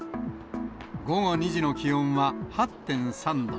午後２時の気温は８．３度。